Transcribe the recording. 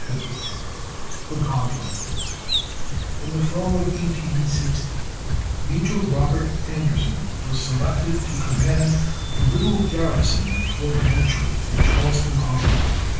CHAPTER II THE GAUNTLET In the fall of 1860 Major Robert Anderson was selected to command the little garrison at Fort Moultrie, in Charleston harbor.